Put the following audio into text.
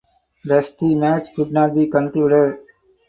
Thus the match could not be concluded.